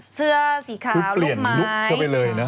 เสื้อสีขาวรูปไม้คือเปลี่ยนรูปเข้าไปเลยนะ